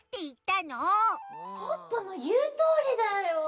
こころのこえポッポのいうとおりだよ。